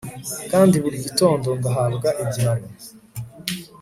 kandi buri gitondo ngahabwa igihano